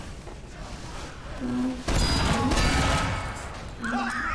拉卢维埃洛拉盖人口变化图示